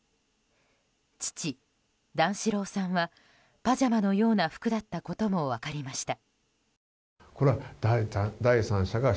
父・段四郎さんはパジャマのような服だったことも分かりました。